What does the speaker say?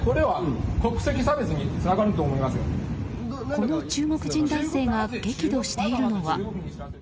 この中国人男性が激怒しているのは。